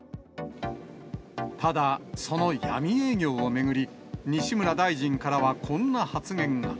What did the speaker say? ただ、その闇営業を巡り、西村大臣からはこんな発言が。